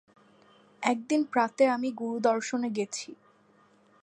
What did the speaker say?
একদিন প্রাতে আমি গুরুদর্শনে গেছি।